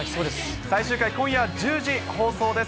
最終回、今夜１０時放送です。